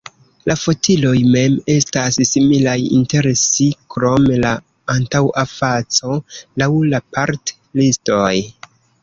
La fotiloj mem estas similaj inter si krom la antaŭa faco, laŭ la part-listoj.